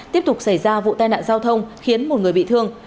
tiếp tục xảy ra vụ tai nạn giao thông khiến một người bị thương